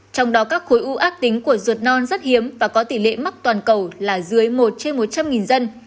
trong đó các khối u ác tính của ruột non rất hiếm và có tỷ lệ mắc toàn cầu là dưới một trên một trăm linh dân